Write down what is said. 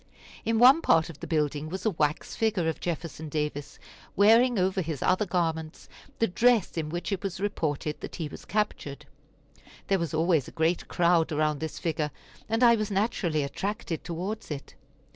In one part of the building was a wax figure of Jefferson Davis, wearing over his other garments the dress in which it was reported that he was captured. There was always a great crowd around this figure, and I was naturally attracted towards it.